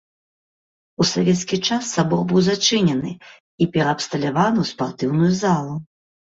У савецкі час сабор быў зачынены і пераабсталяваны ў спартыўную залу.